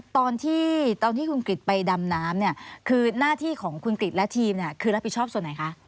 ตอนที่ตอนที่คุณกริจไปดำน้ำเนี่ยคือหน้าที่ของคุณกริจและทีมเนี่ยคือรับผิดชอบส่วนไหนคะ